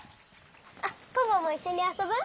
あっポポもいっしょにあそぶ？